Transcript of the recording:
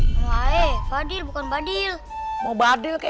nama ae badil bukan badil